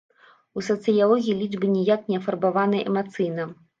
У сацыялогіі лічбы ніяк не афарбаваныя эмацыйна.